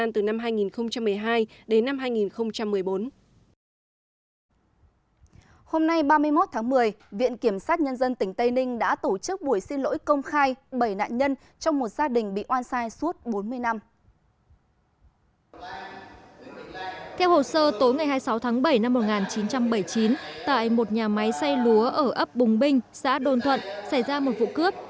theo hồ sơ tối ngày hai mươi sáu tháng bảy năm một nghìn chín trăm bảy mươi chín tại một nhà máy xây lúa ở ấp bùng binh xã đôn thuận xảy ra một vụ cướp